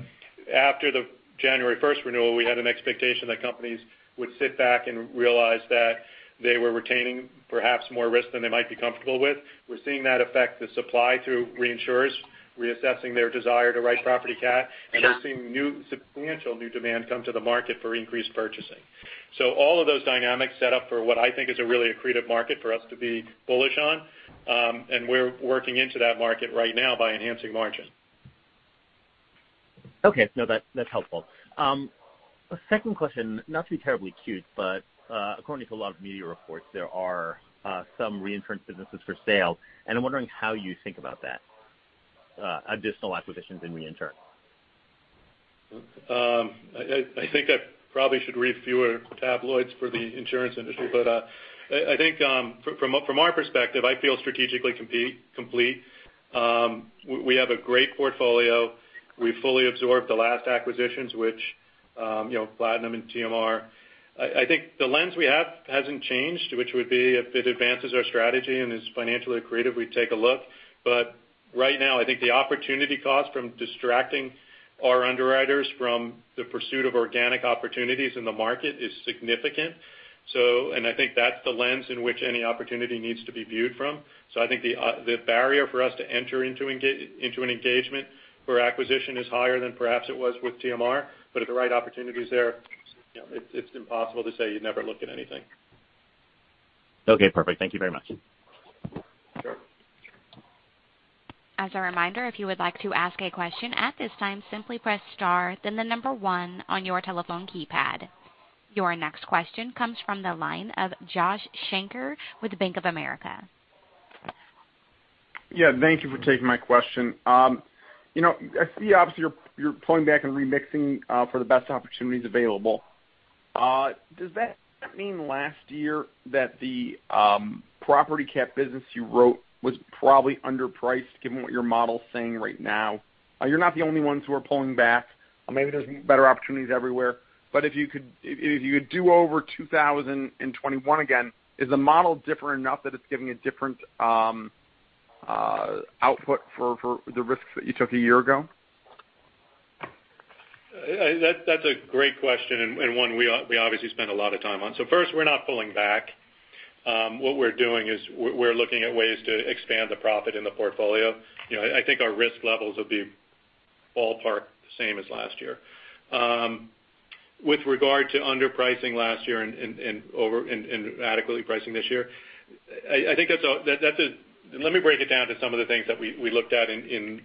after the January first renewal, we had an expectation that companies would sit back and realize that they were retaining perhaps more risk than they might be comfortable with. We're seeing that affect the supply through reinsurers reassessing their desire to write property CAT. Yeah. We're seeing substantial new demand come to the market for increased purchasing. All of those dynamics set up for what I think is a really accretive market for us to be bullish on, and we're working into that market right now by enhancing margin. Okay. No, that's helpful. A second question, not to be terribly cute, but according to a lot of media reports, there are some reinsurance businesses for sale, and I'm wondering how you think about that additional acquisitions in reinsurance. I think I probably should read fewer tabloids for the insurance industry. I think from our perspective, I feel strategically complete. We have a great portfolio. We fully absorbed the last acquisitions, which, you know, Platinum and TMR. I think the lens we have hasn't changed, which would be if it advances our strategy and is financially accretive, we take a look. Right now, I think the opportunity cost from distracting our underwriters from the pursuit of organic opportunities in the market is significant. I think that's the lens in which any opportunity needs to be viewed from. I think the barrier for us to enter into an engagement for acquisition is higher than perhaps it was with TMR, but if the right opportunity is there, you know, it's impossible to say you'd never look at anything. Okay, perfect. Thank you very much. Sure. As a reminder, if you would like to ask a question at this time, simply press star, then the number one on your telephone keypad. Your next question comes from the line of Josh Shanker with Bank of America. Yeah, thank you for taking my question. You know, I see obviously you're pulling back and remixing for the best opportunities available. Does that mean last year that the property CAT business you wrote was probably underpriced given what your model's saying right now? You're not the only ones who are pulling back. Maybe there's better opportunities everywhere. If you could do over 2021 again, is the model different enough that it's giving a different output for the risks that you took a year ago? That's a great question and one we obviously spend a lot of time on. First, we're not pulling back. What we're doing is we're looking at ways to expand the profit in the portfolio. You know, I think our risk levels will be ballpark the same as last year. With regard to underpricing last year and adequately pricing this year, I think that's a. Let me break it down to some of the things that we looked at in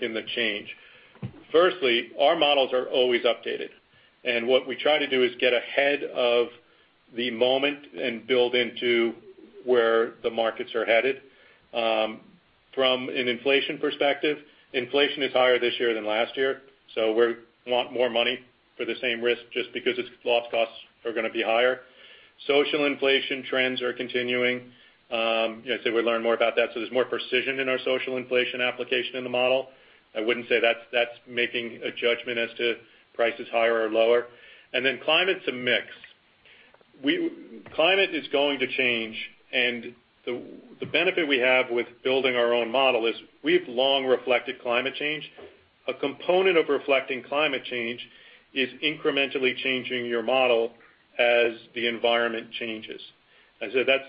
the change. First, our models are always updated, and what we try to do is get ahead of the moment and build into where the markets are headed. From an inflation perspective, inflation is higher this year than last year, so we want more money for the same risk just because its loss costs are gonna be higher. Social inflation trends are continuing. You know, I'd say we learn more about that, so there's more precision in our social inflation application in the model. I wouldn't say that's making a judgment as to prices higher or lower. Then climate's a mix. Climate is going to change, and the benefit we have with building our own model is we've long reflected climate change. A component of reflecting climate change is incrementally changing your model as the environment changes. That's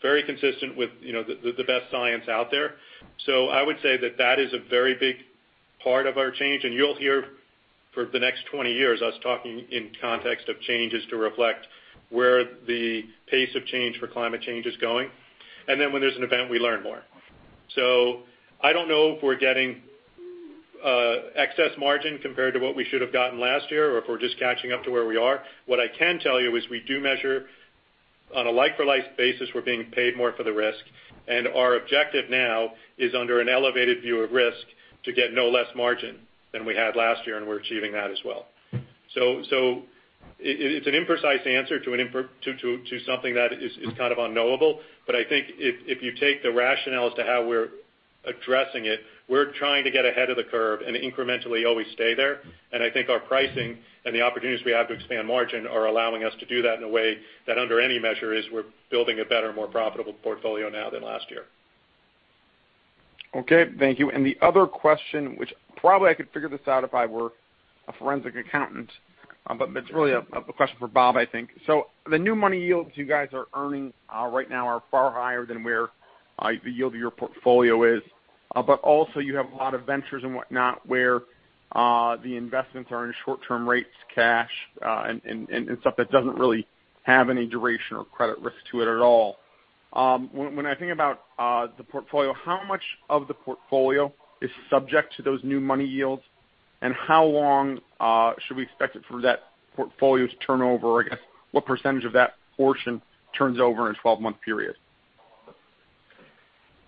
very consistent with you know, the best science out there. I would say that is a very big part of our change, and you'll hear for the next 20 years us talking in context of changes to reflect where the pace of change for climate change is going. Then when there's an event, we learn more. I don't know if we're getting excess margin compared to what we should have gotten last year or if we're just catching up to where we are. What I can tell you is we do measure on a like-for-like basis, we're being paid more for the risk, and our objective now is under an elevated view of risk to get no less margin than we had last year, and we're achieving that as well. It's an imprecise answer to something that is kind of unknowable, but I think if you take the rationale as to how we're addressing it, we're trying to get ahead of the curve and incrementally always stay there. I think our pricing and the opportunities we have to expand margin are allowing us to do that in a way that under any measure we're building a better, more profitable portfolio now than last year. Okay, thank you. The other question, which probably I could figure this out if I were a forensic accountant, but it's really a question for Bob, I think. The new money yields you guys are earning right now are far higher than where the yield of your portfolio is. Also you have a lot of ventures and whatnot where the investments are in short-term rates, cash, and stuff that doesn't really have any duration or credit risk to it at all. When I think about the portfolio, how much of the portfolio is subject to those new money yields and how long should we expect it for that portfolio to turn over, I guess? What percentage of that portion turns over in a 12-month period?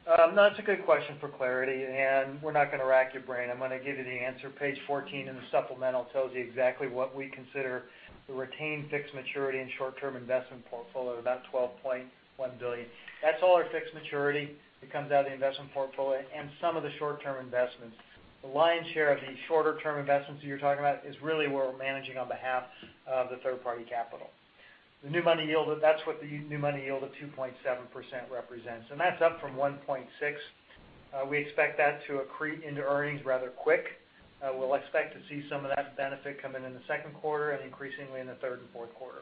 That's a good question for clarity, and we're not gonna rack your brain. I'm gonna give you the answer. Page 14 in the supplemental tells you exactly what we consider the retained fixed maturity and short-term investment portfolio, about $12.1 billion. That's all our fixed maturity that comes out of the investment portfolio and some of the short-term investments. The lion's share of the shorter-term investments you're talking about is really where we're managing on behalf of the third-party capital. The new money yield, that's what the new money yield of 2.7% represents, and that's up from 1.6%. We expect that to accrete into earnings rather quick. We'll expect to see some of that benefit come in in the second quarter and increasingly in the third and fourth quarter.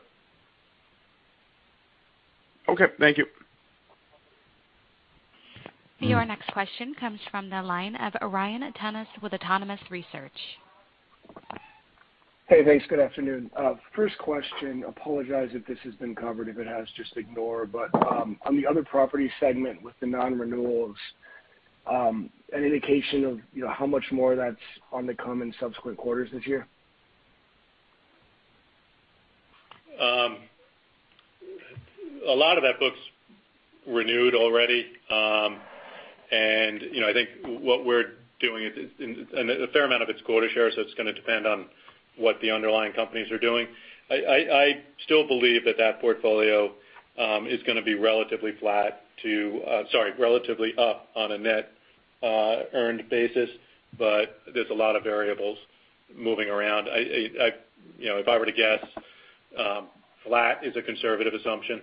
Okay, thank you. Your next question comes from the line of Ryan Tunis with Autonomous Research. Hey, thanks. Good afternoon. First question, apologize if this has been covered. If it has, just ignore. On the other property segment with the non-renewals, any indication of, you know, how much more that's on to come in subsequent quarters this year? A lot of that book's renewed already. You know, I think what we're doing is and a fair amount of it's quota shares, so it's gonna depend on what the underlying companies are doing. I still believe that portfolio is gonna be relatively up on a net earned basis, but there's a lot of variables moving around. You know, if I were to guess, flat is a conservative assumption.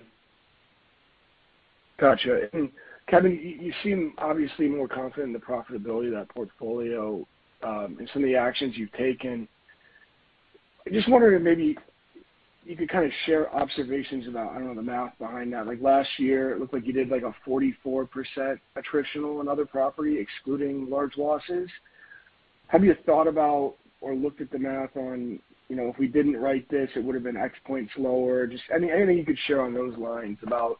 Gotcha. Kevin, you seem obviously more confident in the profitability of that portfolio, and some of the actions you've taken. Just wondering if maybe you could kind of share observations about, I don't know, the math behind that. Like, last year, it looked like you did, like, a 44% attritional on other property excluding large losses. Have you thought about or looked at the math on, you know, if we didn't write this, it would've been X points lower? Just anything you could share on those lines about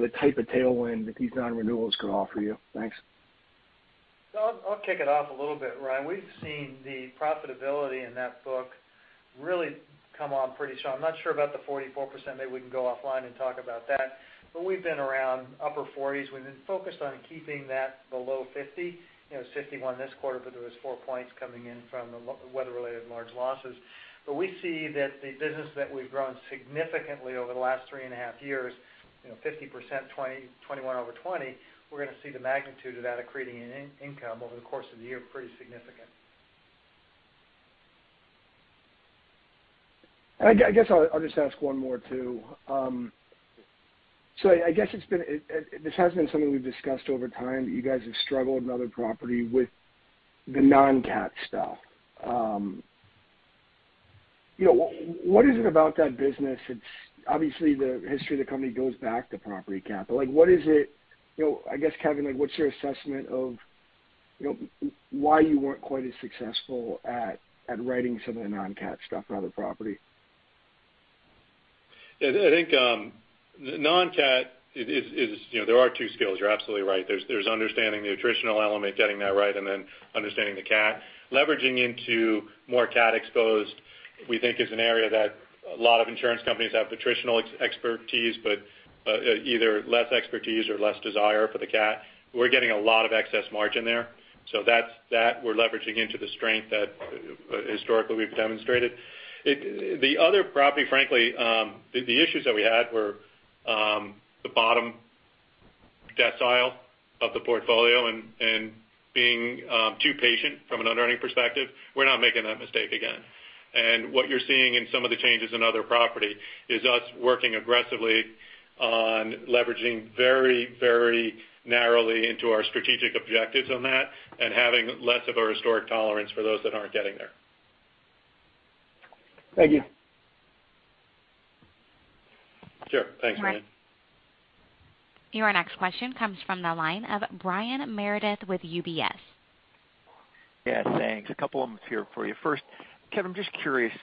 the type of tailwind that these non-renewals could offer you. Thanks. I'll kick it off a little bit, Ryan. We've seen the profitability in that book really come on pretty strong. I'm not sure about the 44%. Maybe we can go offline and talk about that. We've been around upper 40s. We've been focused on keeping that below 50%. You know, it's 51% this quarter, but there was 4 points coming in from the weather-related large losses. We see that the business that we've grown significantly over the last 3.5 years, you know, 50%, 2021 over 2020, we're gonna see the magnitude of that accreting in income over the course of the year pretty significant. I guess I'll just ask one more too. This has been something we've discussed over time, that you guys have struggled in other property with the non-cat stuff. You know, what is it about that business that's obviously the history of the company goes back to property CAT. Like, what is it, you know, I guess, Kevin, like, what's your assessment of, you know, why you weren't quite as successful at writing some of the non-cat stuff on other property? Yeah, I think non-cat is, you know, there are two skills. You're absolutely right. There's understanding the attritional element, getting that right, and then understanding the cat. Leveraging into more cat exposed, we think is an area that a lot of insurance companies have attritional expertise, but either less expertise or less desire for the CAT. We're getting a lot of excess margin there. So that's that. We're leveraging into the strength that historically we've demonstrated. It, the other property, frankly, the issues that we had were the bottom decile of the portfolio and being too patient from an underwriting perspective. We're not making that mistake again. What you're seeing in some of the changes in other property is us working aggressively on leveraging very, very narrowly into our strategic objectives on that and having less of a historic tolerance for those that aren't getting there. Thank you. Sure. Thanks, Ryan. Your next question comes from the line of Brian Meredith with UBS. Yeah, thanks. A couple of them here for you. First, Kevin, I'm just curious,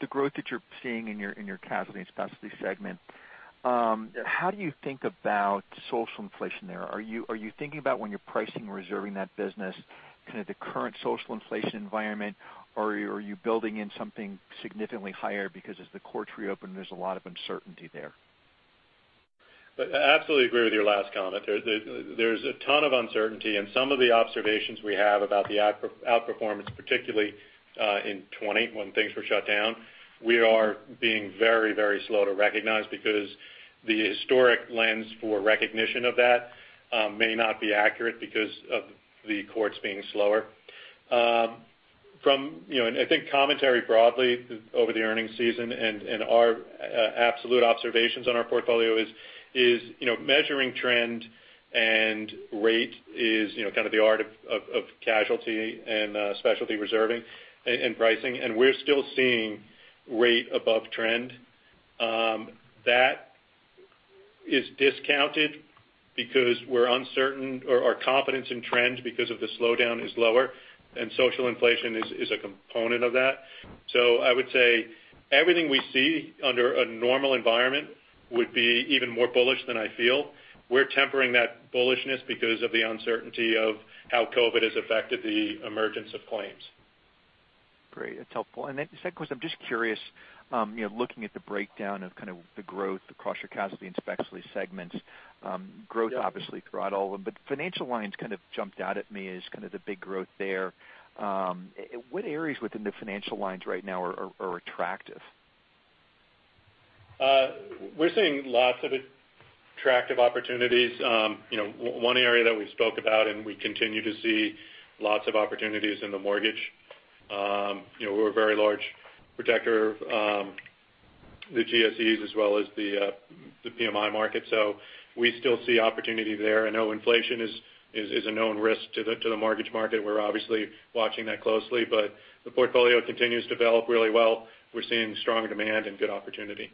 the growth that you're seeing in your casualty and specialty segment, how do you think about social inflation there? Are you thinking about when you're pricing and reserving that business, kind of the current social inflation environment, or are you building in something significantly higher because as the courts reopen, there's a lot of uncertainty there? I absolutely agree with your last comment. There's a ton of uncertainty, and some of the observations we have about the outperformance, particularly in 2020 when things were shut down, we are being very slow to recognize because the historic lens for recognition of that may not be accurate because of the courts being slower. You know, I think commentary broadly over the earnings season and our absolute observations on our portfolio is you know, measuring trend and rate is you know, kind of the art of casualty and specialty reserving and pricing. We're still seeing rate above trend. That is discounted because we're uncertain or our confidence in trends because of the slowdown is lower, and social inflation is a component of that. I would say everything we see under a normal environment would be even more bullish than I feel. We're tempering that bullishness because of the uncertainty of how COVID has affected the emergence of claims. Great. That's helpful. Second question, I'm just curious, you know, looking at the breakdown of kind of the growth across your casualty and specialty segments, growth obviously throughout all of them, but financial lines kind of jumped out at me as kind of the big growth there. What areas within the financial lines right now are attractive? We're seeing lots of attractive opportunities. You know, one area that we've spoke about and we continue to see lots of opportunities in the mortgage. You know, we're a very large protector of the GSEs as well as the PMI market. We still see opportunity there. I know inflation is a known risk to the mortgage market. We're obviously watching that closely, but the portfolio continues to develop really well. We're seeing strong demand and good opportunity.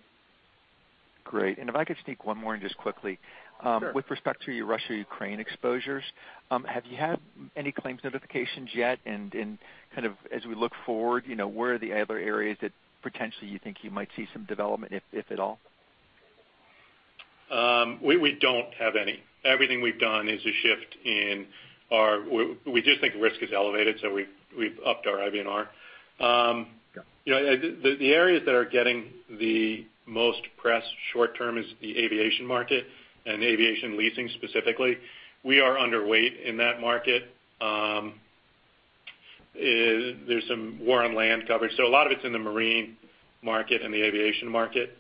Great. If I could sneak one more in just quickly. Sure. With respect to your Russia-Ukraine exposures, have you had any claims notifications yet? Kind of as we look forward, you know, where are the other areas that potentially you think you might see some development, if at all? We don't have any. Everything we've done is a shift. We just think risk is elevated, so we've upped our IBNR. You know, the areas that are getting the most press short term is the aviation market and aviation leasing specifically. We are underweight in that market. There's some war on land coverage. A lot of it's in the marine market and the aviation market.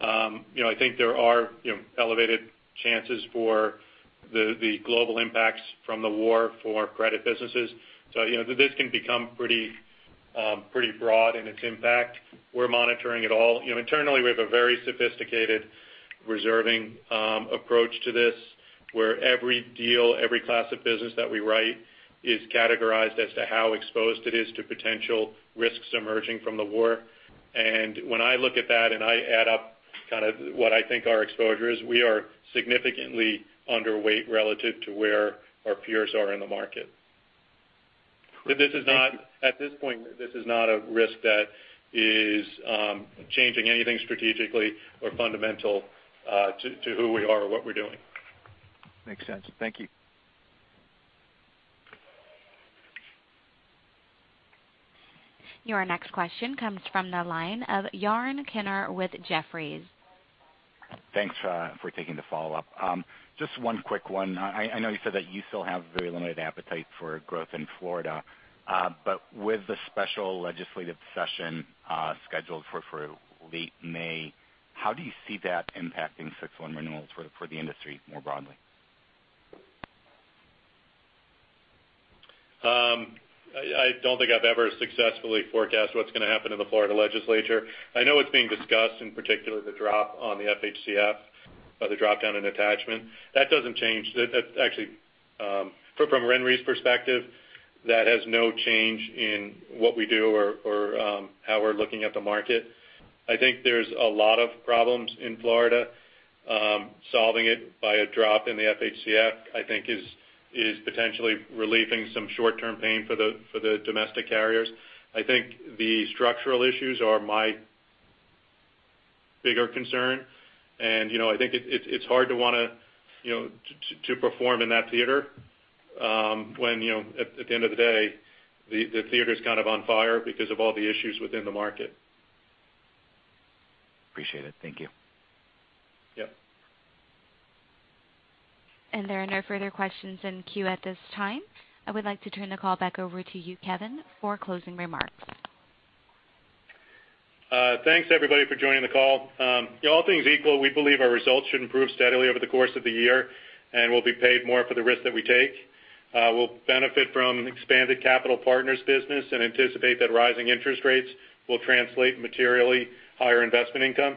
You know, I think there are, you know, elevated chances for the global impacts from the war for credit businesses. You know, this can become pretty broad in its impact. We're monitoring it all. You know, internally, we have a very sophisticated reserving approach to this, where every deal, every class of business that we write is categorized as to how exposed it is to potential risks emerging from the war. When I look at that and I add up kind of what I think our exposure is, we are significantly underweight relative to where our peers are in the market. Great. Thank you. At this point, this is not a risk that is changing anything strategically or fundamental to who we are or what we're doing. Makes sense. Thank you. Your next question comes from the line of Yaron Kinar with Jefferies. Thanks for taking the follow-up. Just one quick one. I know you said that you still have very limited appetite for growth in Florida. With the special legislative session scheduled for late May, how do you see that impacting 6/1 renewals for the industry more broadly? I don't think I've ever successfully forecast what's gonna happen in the Florida legislature. I know it's being discussed, in particular the drop on the FHCF, or the dropdown in attachment. That doesn't change. That actually, from RenRe's perspective, that has no change in what we do or how we're looking at the market. I think there's a lot of problems in Florida. Solving it by a drop in the FHCF, I think is potentially relieving some short-term pain for the domestic carriers. I think the structural issues are my bigger concern. You know, I think it's hard to wanna, you know, to perform in that theater, when, you know, at the end of the day, the theater's kind of on fire because of all the issues within the market. Appreciate it. Thank you. Yeah. There are no further questions in queue at this time. I would like to turn the call back over to you, Kevin, for closing remarks. Thanks everybody for joining the call. All things equal, we believe our results should improve steadily over the course of the year, and we'll be paid more for the risk that we take. We'll benefit from an expanded capital partners business and anticipate that rising interest rates will translate to materially higher investment income.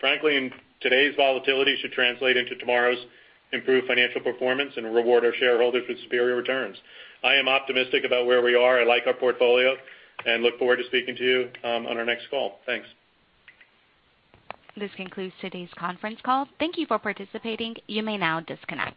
Frankly, today's volatility should translate into tomorrow's improved financial performance and reward our shareholders with superior returns. I am optimistic about where we are. I like our portfolio and look forward to speaking to you on our next call. Thanks. This concludes today's conference call. Thank you for participating. You may now disconnect.